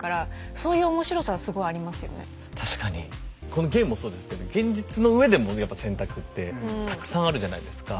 このゲームもそうですけど現実のうえでもやっぱ選択ってたくさんあるじゃないですか。